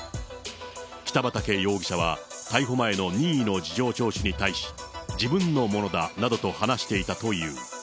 北畠容疑者は逮捕前の任意の事情聴取に対し、自分のものだなどと話していたという。